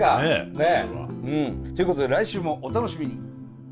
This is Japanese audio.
ねえ。ということで来週もお楽しみに。